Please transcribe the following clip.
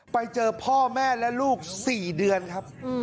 ไปเจอพ่อแม่และลูก๔เดือนครับ